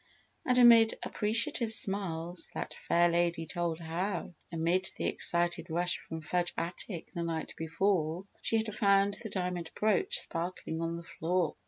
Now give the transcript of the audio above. And amid appreciative smiles, that fair lady told how, amid the excited rush from Fudge Attic the night before, she had found the diamond brooch sparkling on the floor.